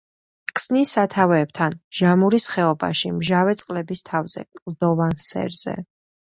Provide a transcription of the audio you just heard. ქსნის სათავეებთან, ჟამურის ხეობაში მჟავე წყლების თავზე, კლდოვან სერზე.